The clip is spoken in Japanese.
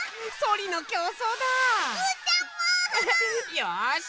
よし！